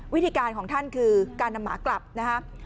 วิธีการของท่านคือการนำหมากลับนะครับ